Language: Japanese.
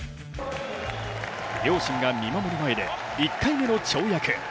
両親が見守る前で１回目の跳躍。